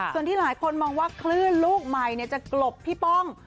ส่วนที่หลายคนมองว่าคลื่นลูกใหม่จะกลบพี่ป้อง